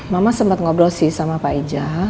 mama sempat ngobrol sih sama pak ija